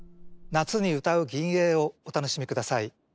夏にうたう吟詠をお楽しみください。